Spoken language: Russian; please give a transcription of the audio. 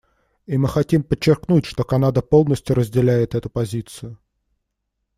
И мы хотим подчеркнуть, что Канада полностью разделяет эту позицию.